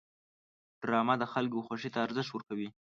ډرامه د خلکو خوښې ته ارزښت ورکوي